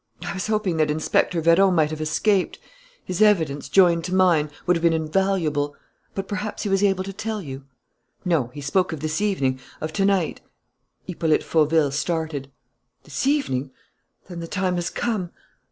I was hoping that Inspector Vérot might have escaped.... His evidence, joined to mine, would have been invaluable. But perhaps he was able to tell you?" "No, he spoke of this evening of to night " Hippolyte Fauville started. "This evening! Then the time has come!...